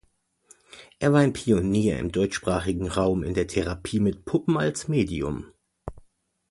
Er war ein Pionier im deutschsprachigen Raum in der Therapie mit Puppen als Medium.